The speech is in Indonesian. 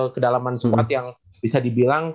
kedalaman spot yang bisa dibilang